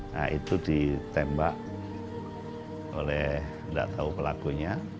nah itu ditembak oleh tidak tahu pelakunya